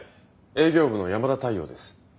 営業部の山田太陽です。